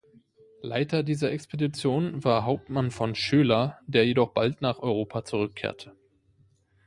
Leiter dieser Expedition war Hauptmann von Schoeler, der jedoch bald nach Europa zurückkehrte.